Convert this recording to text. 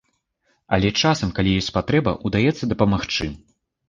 Але часам, калі ёсць патрэба, удаецца дапамагчы.